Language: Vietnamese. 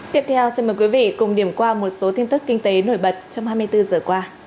tiếp theo xin mời quý vị cùng điểm qua một số tin tức kinh tế nổi bật trong hai mươi bốn giờ qua